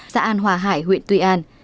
xã an hòa hải huyện tuy an